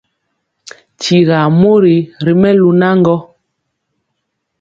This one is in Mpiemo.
Tyira mori ri melu naŋgɔ,